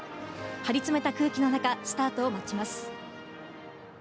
張りつめた空気の中、スタートを待ちます。